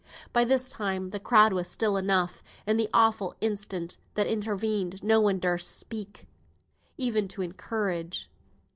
By this time the crowd was still enough; in the awful instant that intervened no one durst speak, even to encourage.